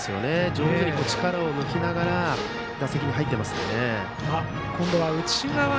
上手に力を抜きながら打席に入ってますね。